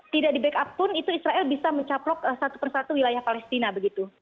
tidak di backup pun itu israel bisa mencaplok satu persatu wilayah palestina begitu